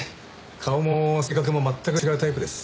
顔も性格も全く違うタイプです。